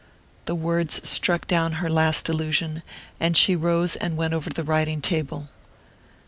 The words struck down her last illusion, and she rose and went over to the writing table.